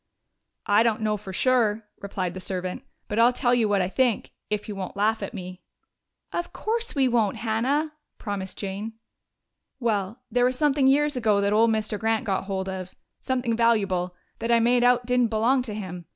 "I don't know for sure," replied the servant. "But I'll tell you what I think if you won't laugh at me." "Of course we won't, Hannah," promised Jane. "Well, there was something years ago that old Mr. Grant got hold of something valuable that I made out didn't belong to him.